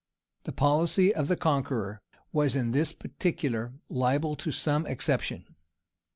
The policy of the Conqueror was in this particular liable to some exception.